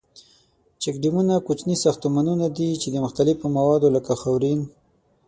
چیک ډیمونه کوچني ساختمانونه دي ،چې د مختلفو موادو لکه خاورین.